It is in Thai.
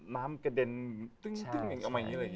น้ำกระเด็นตึ้งออกมาอย่างนี้เลย